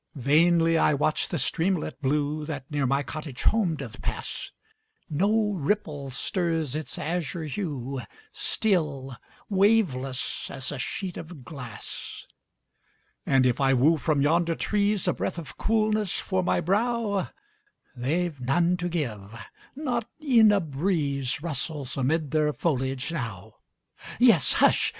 Vainly I watch the streamlet blue That near my cottage home doth pass, No ripple stirs its azure hue, Still waveless, as a sheet of glass And if I woo from yonder trees A breath of coolness for my brow, They've none to give not e'en a breeze Rustles amid their foliage now; Yes, hush!